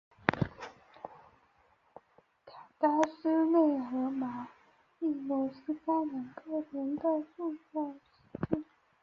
卡塔赫纳和马萨龙是该区两个重要的沿海城镇。